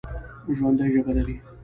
ژوندي ژبه لري